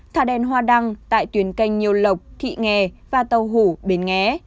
thả đèn hoa đăng tại tuyến canh nhiêu lộc thị nghè và tàu hủ bến nghè